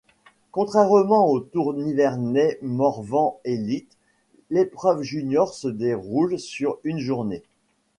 Contrairement au Tour Nivernais Morvan élite, l'épreuve junior se déroule sur une journée.